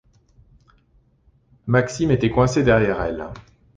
Maxime était coincé derrière elle.